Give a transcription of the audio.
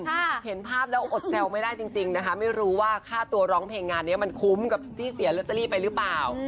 เห็นภาพแล้วอดแซวไม่ได้จริงจริงนะคะไม่รู้ว่าค่าตัวร้องเพลงงานเนี้ยมันคุ้มกับที่เสียลอตเตอรี่ไปหรือเปล่า